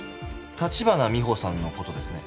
立花美穂さんの事ですね。